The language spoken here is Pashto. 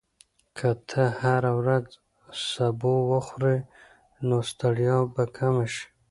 که ته هره ورځ سبو وخورې، نو ستړیا به کمه شي.